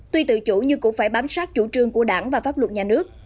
tuy tự chủ nhưng cũng phải bám sát chủ trương của đảng và pháp luật nhà nước